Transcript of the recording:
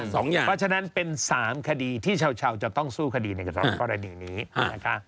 เพราะฉะนั้นเป็นสามคดีที่เช่าจะต้องสู้คดีในการตำรวจกรณีนี้นะคะ